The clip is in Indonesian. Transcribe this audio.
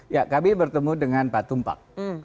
ya kami bertemu dengan pak tumpak